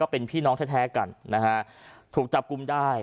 เป็นพี่น้องแท้กันนะฮะถูกจับกลุ่มได้